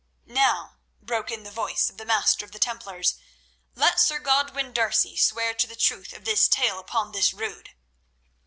"Now," broke in the voice of the Master of the Templars, "let Sir Godwin D'Arcy swear to the truth of his tale upon this Rood."